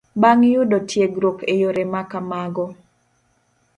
Bang' yudo tiegruok e yore ma kamago